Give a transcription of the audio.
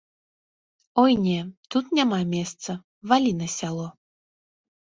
О не, тут няма месца, валі на сяло.